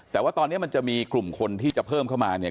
แต่ว่าตอนนี้มันจะมีกลุ่มคนที่จะเพิ่มเข้ามาเนี่ย